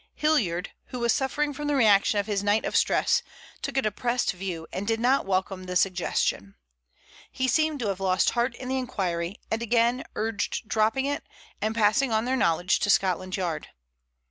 Hilliard, who was suffering from the reaction of his night of stress, took a depressed view and did not welcome the suggestion. He seemed to have lost heart in the inquiry, and again urged dropping it and passing on their knowledge to Scotland Yard.